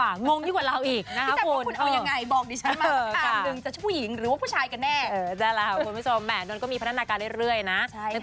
ยังโอเคอยู่ฮะยังโอเคอยู่